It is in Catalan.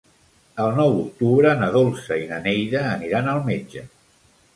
El nou d'octubre na Dolça i na Neida aniran al metge.